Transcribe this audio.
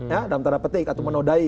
ya dalam tanda petik atau menodai